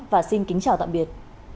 và xin kính chào tạm biệt